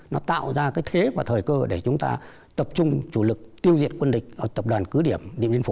nó tạo ra cái thế và thời cơ để chúng ta tập trung chủ lực tiêu diệt quân địch ở tập đoàn cứ điểm điện biên phủ